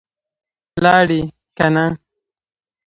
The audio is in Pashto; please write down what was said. لاړې که نه؟